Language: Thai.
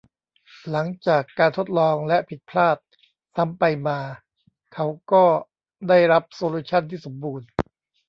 หลังจากการทดลองและผิดพลาดซ้ำไปมา เขาก็ได้รับโซลูชั่นที่สมบูรณ์